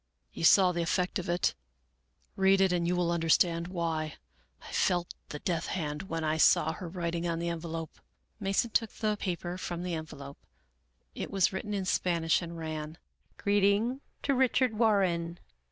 " You saw the effect of it ; read it and you will understand why. I felt the death hand when I saw her writing on the envelope." Mason took the paper from the envelope. It was written in Spanish, and ran :" Greeting to Richard Warren.